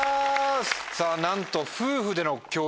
さぁなんと。